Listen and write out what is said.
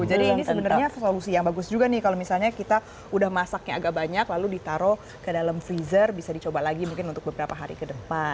jadi ini sebenarnya solusi yang bagus juga nih kalau misalnya kita udah masaknya agak banyak lalu ditaruh ke dalam freezer bisa dicoba lagi mungkin untuk beberapa hari ke depan